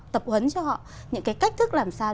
tập huấn cho họ những cái cách thức làm sao